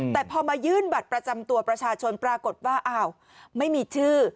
แต่พอมายื่นบัตรประจำตัวประชาชนปรากฏว่าอ้าวไม่มีชื่อ